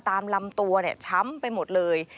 ตามลำตัวช้ำไปหมดเลย